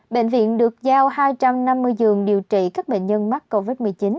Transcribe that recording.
bệnh viện được giao hai trăm năm mươi giường điều trị các bệnh nhân mắc covid một mươi chín